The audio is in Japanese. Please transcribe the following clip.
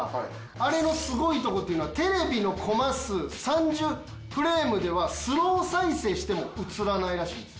あれのすごいとこっていうのはテレビのコマ数３０フレームではスロー再生しても映らないらしいんです。